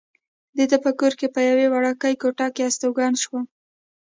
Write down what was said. د ده په کور کې په یوې وړوکې کوټه کې استوګن شوم.